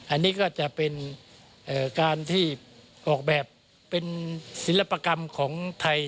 อันนี้ก็จะเป็นการที่ออกแบบเป็นศิลปกรรมของไทย